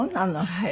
はい。